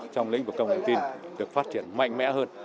trong lĩnh vực công nghệ tin được phát triển mạnh mẽ hơn